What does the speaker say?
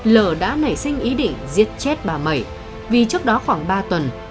lở đã nảy sinh ý định giết chết bà mậy vì trước đó khoảng ba tuần